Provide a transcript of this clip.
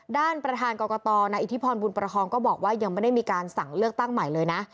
ด้านประธานกรกตนายอิทธิพรบุญประคองก็บอกว่ายังไม่ได้มีการสั่งเลือกตั้งใหม่เลยนะ